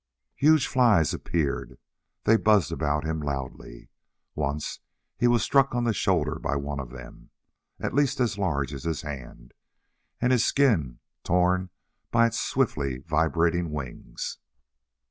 Huge flies appeared. They buzzed about him loudly. Once he was struck on the shoulder by one of them at least as large as his hand and his skin torn by its swiftly vibrating wings.